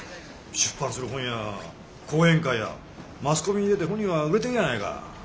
出版する本や講演会やマスコミに出て本人は売れてるやないか。